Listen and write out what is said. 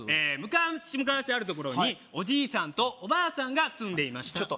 むかしむかしあるところにおじいさんとおばあさんが住んでいました